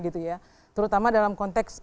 gitu ya terutama dalam konteks